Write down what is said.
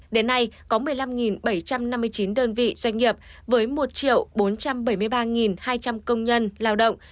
đến nay có một mươi năm bảy trăm năm mươi chín đơn vị doanh nghiệp với một bốn trăm bảy mươi ba hai trăm linh công nhân lao động